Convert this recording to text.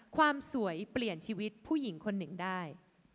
ความสวยเปลี่ยนชีวิตผู้หญิงคนหนึ่งได้